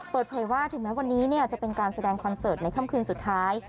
เปิดเผยว่าถึงแม้วันนี้จะเป็นการแสดงคอนเสิร์ตในค่ำคืนสุดท้าย